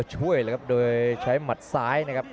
ส่วนหน้านั้นอยู่ที่เลด้านะครับ